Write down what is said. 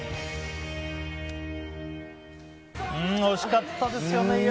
惜しかったですよね。